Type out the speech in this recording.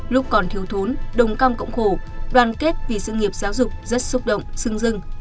lúc còn thiếu thốn đồng cam cộng khổ đoàn kết vì sự nghiệp giáo dục rất xúc động sưng dưng